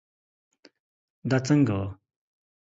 دا څنګه وه